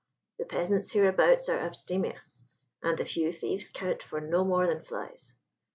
The peasants hereabouts are abstemious, and the few thieves count for no more than flies.